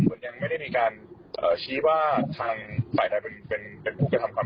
มันยังไม่ได้มีการชี้ว่าทางฝ่ายใดเป็นผู้กระทำความ